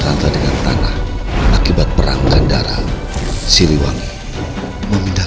asal ibu tak bisa mencari orang itu